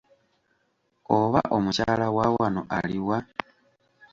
Oba omukyala wawano aliwa?